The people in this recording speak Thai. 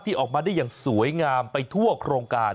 ออกมาได้อย่างสวยงามไปทั่วโครงการ